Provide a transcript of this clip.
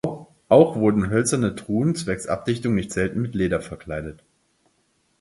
Auch wurden hölzerne Truhen zwecks Abdichtung nicht selten mit Leder verkleidet.